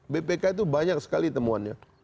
bpk itu banyak sekali temuannya